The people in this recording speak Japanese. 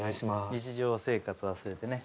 日常生活忘れてね